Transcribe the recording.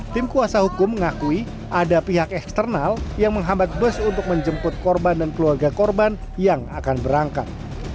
tim kuasa hukum mengakui ada pihak eksternal yang menghambat bus untuk menjemput korban dan keluarga korban yang akan berangkat